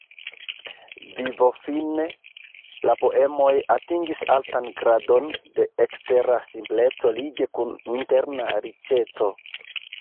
Vivofine, la poemoj atingis altan gradon de ekstera simpleco lige kun interna riĉeco.